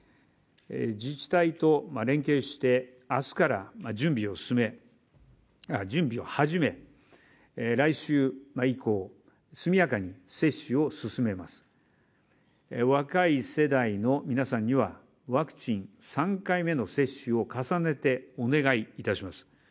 自治体と連携して明日から準備を始め、来週以降、速やかに接種を進めます若い世代の皆さんにはワクチン３回目の接種を重ねてお願いいたします。